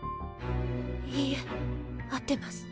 いいえ合ってます。